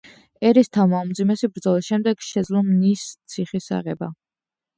ერისთავმა უმძიმესი ბრძოლის შემდეგ შეძლო მნის ციხის აღება.